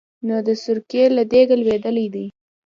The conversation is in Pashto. نو د سرکې له دېګه لوېدلی دی.